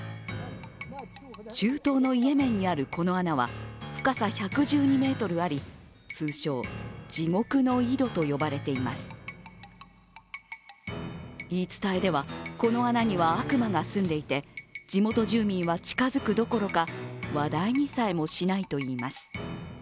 中東のイエメンにあるこの穴は、深さ１１２ｍあり、通称・地獄の井戸と呼ばれています言い伝えでは、この穴には悪魔が住んでいて、地元住民は近づくどころか話題にさえしないといいます。